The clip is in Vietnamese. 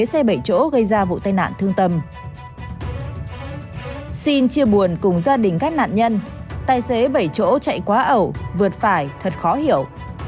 xin chia buồn cùng gia đình các nạn nhân tài xế bảy chỗ chạy quá ẩu vượt phải thật khó hiểu